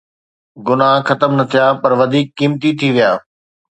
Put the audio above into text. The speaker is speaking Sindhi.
گناهه ختم نه ٿيا پر وڌيڪ قيمتي ٿي ويا.